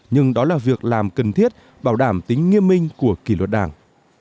nhưng đó là việc làm cần thiết bảo đảm tính nghiêm minh của kỷ luật đảng